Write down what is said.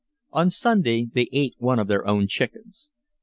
On Sunday they ate one of their own chickens.